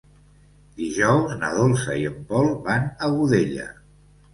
Dijous na Dolça i en Pol van a Godella.